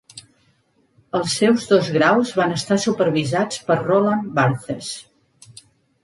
El seus dos graus van estar supervisats per Roland Barthes.